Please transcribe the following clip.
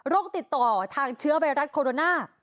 ติดต่อทางเชื้อไวรัสโคโรนา